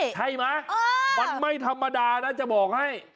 ใช่ไหมมันไม่ธรรมดานะจะบอกให้